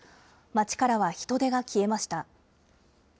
町からは人出が消えました。